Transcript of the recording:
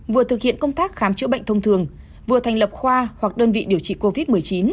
vừa thực hiện công tác khám chữa bệnh thông thường vừa thành lập khoa hoặc đơn vị điều trị covid một mươi chín